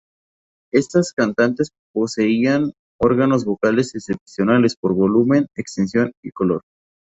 Estas cantantes poseían órganos vocales excepcionales por volumen, extensión y color.